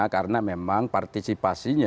karena memang partisipasinya yang konkret diperlukan